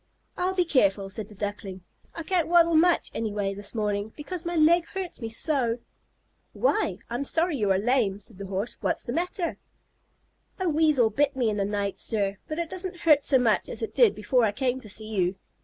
"I'll be careful," said the Duckling. "I can't waddle much anyway this morning, because my leg hurts me so." "Why, I'm sorry you are lame," said the Horse. "What is the matter?" "A Weasel bit me in the night, sir. But it doesn't hurt so much as it did before I came to see you.